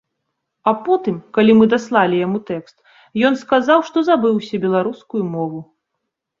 А потым, калі мы даслалі яму тэкст, ён сказаў, што забыўся беларускую мову.